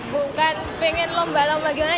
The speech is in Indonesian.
bukan pengen lomba lomba gimana